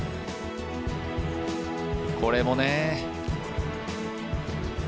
これもね。